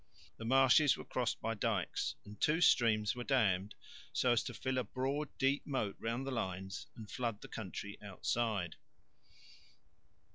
The marshes were crossed by dykes, and two streams were dammed so as to fill a broad deep moat round the lines and flood the country outside.